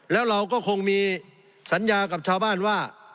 แล้วเราก็คงมีสัญญากับชาวบ้านว่า